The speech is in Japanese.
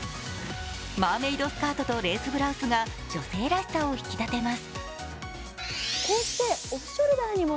マーメイドスカートとレースブラウスが女性らしさを引き立てます。